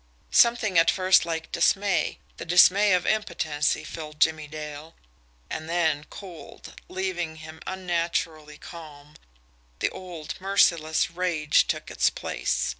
Something at first like dismay, the dismay of impotency, filled Jimmie Dale and then, cold, leaving him unnaturally calm, the old merciless rage took its place.